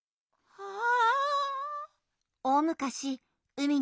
ああ。